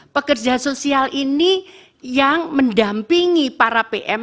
pekerja sosial ini yang mendampingi para pm